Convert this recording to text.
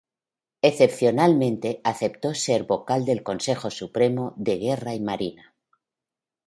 Excepcionalmente, aceptó ser vocal del Consejo Supremo de Guerra y Marina.